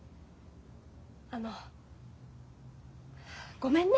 あのごめんね。